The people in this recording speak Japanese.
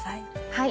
はい。